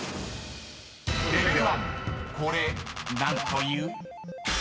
［これ何という？］